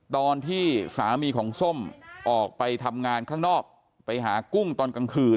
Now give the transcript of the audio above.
ตอนที่สามีของส้มออกไปทำงานข้างนอกไปหากุ้งตอนกลางคืน